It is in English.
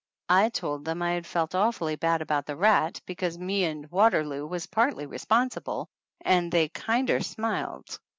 I told them I had felt awfully bad about the rat, because me and Waterloo was partly re sponsible, and they kinder smiled.